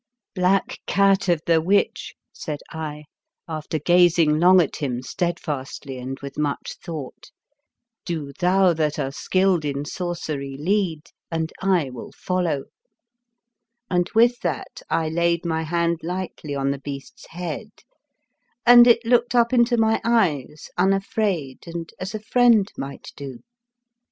" Black cat of the witch," said I, after gazing long at him steadfastly and with much thought, "do thou that are skilled in Sorcery lead and I will fol low," and with that I laid my hand lightly on the beast's head, and it looked up into my eyes unafraid and as a friend might do.